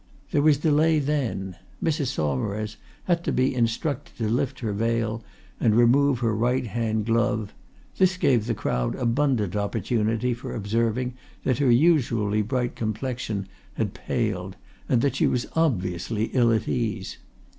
There was delay then; Mrs. Saumarez had to be instructed to lift her veil and remove her right hand glove; this gave the crowd abundant opportunity for observing that her usually bright complexion had paled and that she was obviously ill at ease.